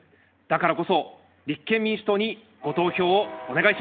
だからこそ立憲民主党にご投票をお願いします。